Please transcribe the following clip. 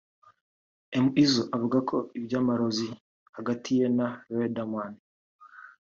M Izzo avuga ko iby’amarozi hagati ye na Riderman